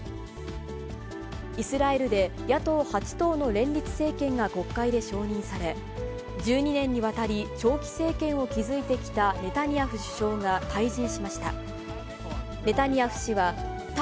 イスラエルで野党８党の連立政権が国会で承認され、１２年にわたり長期政権を築いてきたネタニヤフ首相が退陣しました。